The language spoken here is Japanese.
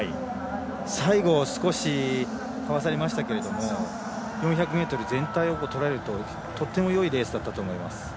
最後、少しかわされましたけど４００ｍ全体をとらえると、とてもよいレースだったと思います。